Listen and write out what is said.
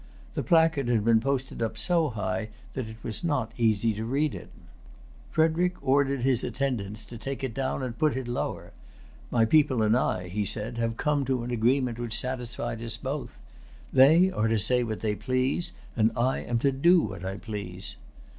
The placard had been posted up so high that it was not easy to read it. Frederic ordered his attendants to take it down and put it lower. "My people and I," he said, "have come to an agreement which satisfies us both. They are to say what they please, and I am to do what I please."